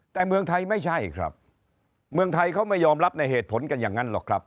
แต่เมืองไทยไม่ใช่ครับเมืองไทยเขาไม่ยอมรับในเหตุผลกันอย่างนั้นหรอกครับ